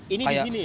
ini di sini ya